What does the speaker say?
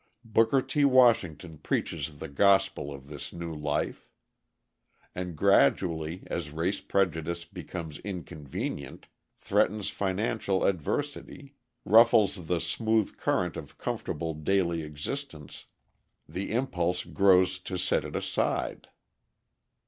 Booker T. Washington preaches the gospel of this new life. And gradually as race prejudice becomes inconvenient, threatens financial adversity, ruffles the smooth current of comfortable daily existence, the impulse grows to set it aside.